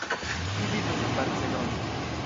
Li vivas en Barcelono.